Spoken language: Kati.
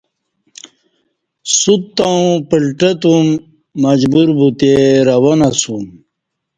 سوت تہ اوں پلٹہ توم مجبور بوتے روان اسوم